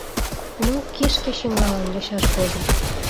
Ну, кишке чӱҥгалын йочаж годым.